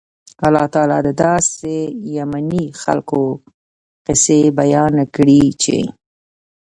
الله تعالی د داسي يَمَني خلکو قيصه بیانه کړي چې